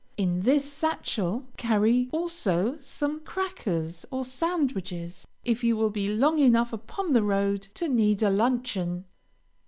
In this satchel carry also some crackers, or sandwiches, if you will be long enough upon the road to need a luncheon.